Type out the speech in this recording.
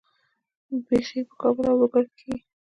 بیحي په کابل او لوګر کې کیږي.